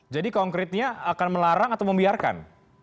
jadi konkretnya akan melarang atau membiarkan